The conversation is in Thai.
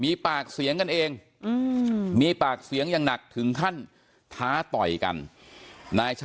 มีปากเสียงกันเองมีปากเสียงแบบหนักถึงถ้าต่อยกัน